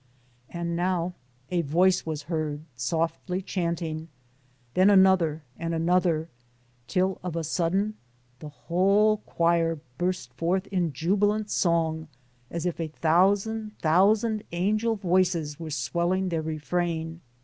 And now a voice was heard softly chanting, then another and another, till of a sudden the whole choir burst forth in jubilant song as if a thousand thousand angel voices were swelling their refrain.